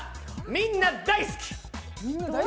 みんな大好き！